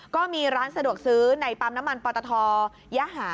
ก็มีร้านสะดวกซื้อในปั๊มน้ำมันปอตทยหา